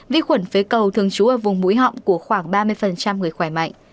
vi khuẩn phế cầu thường trú ở vùng mũi họng của khoảng ba mươi người khỏe mạnh